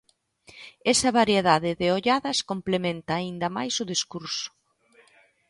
Esa variade de olladas complementa aínda máis o discurso.